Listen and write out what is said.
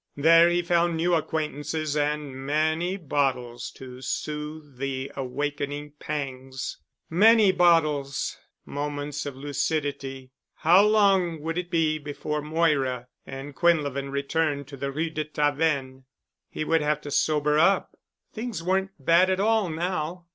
There he found new acquaintances and many bottles to soothe the awakening pangs. Many bottles ... moments of lucidity ... how long would it be before Moira and Quinlevin returned to the Rue de Tavennes? He would have to sober up. Things weren't bad at all now.